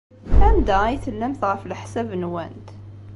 Anda ay tellamt, ɣef leḥsab-nwent?